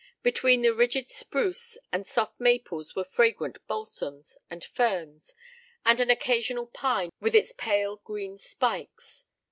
Between the rigid spruce and soft maples were fragrant balsams, and ferns, and an occasional pine with its pale green spikes.